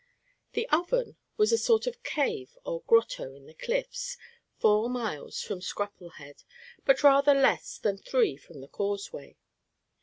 The Oven was a sort of cave or grotto in the cliffs, four miles from Scrapplehead, but rather less than three from the causeway.